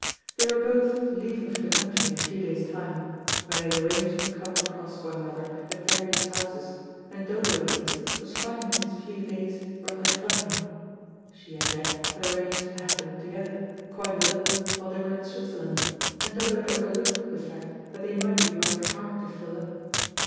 They were both leaving for the country in a few days' time, where they had arranged to come across one another at various houses, and Dodo, at least, was finding these few days rather trying. She and Jack had arranged to have them together, quite alone, while they were in Switzerland, and Dodo had overlooked the fact that they might be rather hard to fill up.